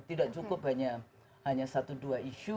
tidak cukup hanya satu dua isu